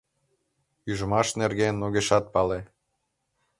Ӱжмаш нерген огешат пале.